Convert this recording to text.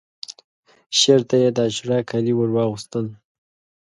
شعر ته یې د عاشورا کالي ورواغوستل